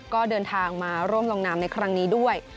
ก็เดินทางมาร่วมลงนามในครั้งนี้ด้วย